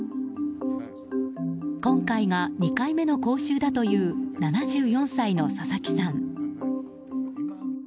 今回が２回目の講習だという７４歳の佐々木さん。